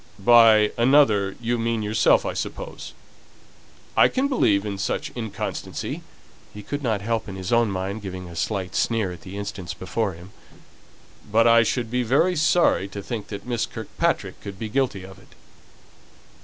"By 'another,' you mean yourself, I suppose. I can believe in such inconstancy" (he could not help, in his own mind, giving a slight sneer at the instance before him), "but I should be very sorry to think that Miss Kirkpatrick could be guilty of it."